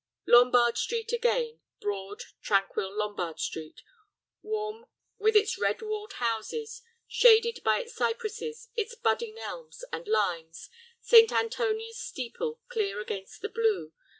Lombard Street again, broad, tranquil Lombard Street, warm with its red walled houses, shaded by its cypresses, its budding elms and limes, St. Antonia's steeple clear against the blue.